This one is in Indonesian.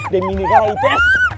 demi nih gara gara tes